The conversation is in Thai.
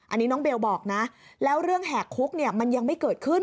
อันนี้น้องเบลบอกนะแล้วเรื่องแหกคุกเนี่ยมันยังไม่เกิดขึ้น